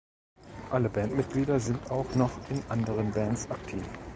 Alle Bandmitglieder sind auch noch in anderen Bands aktiv.